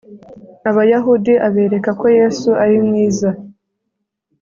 Abayahudi abereka ko Yesu ari mwiza